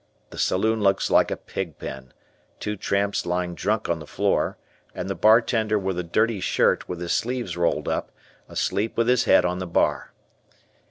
The saloon looks like a pig pen, two tramps lying drunk on the floor, and the bartender in a dirty shirt with his sleeves rolled up, asleep with his head on the bar.